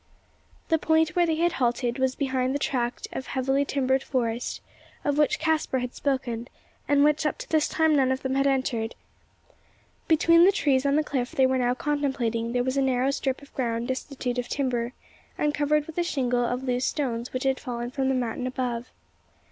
The point where they had halted was behind the tract of heavily timbered forest of which Caspar had spoken, and which up to this time none of them had entered. Between the trees and the cliff they were now contemplating, there was a narrow strip of ground destitute of timber; and covered with a shingle of loose stones which had fallen from the mountain above.